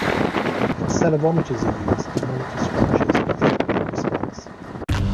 Accelerometers are used to monitor structures for earthquake response.